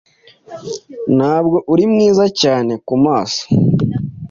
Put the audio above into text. Ntabwo uri mwiza cyane kumaso